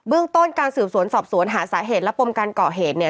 แล้วก็สืบสวนสอบสวนหาสาเหตุและปมการก่อเหตุเนี่ย